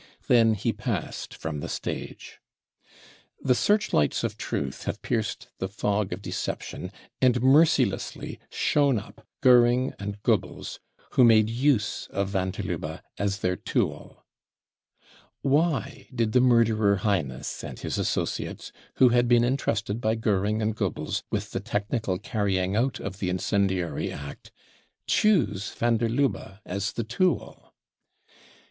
Then he passed from the stage. The searchlights of truth have pierced the' fog of deception and mercilessly shown up Goering and f 62 BROWN BOOK OF THE HITLSR TERROR Goebbdsf who made use of van der* Lubbe as their tool. Why did the murderer Heines and his associates, who had b%en entrusted by Goering and Goebbels with the technical carrying out of the incendiary act, choose van der Lubbe as the tool